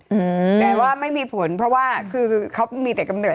อืมแต่ว่าไม่มีผลเพราะว่าคือเขามีแต่กำเนิ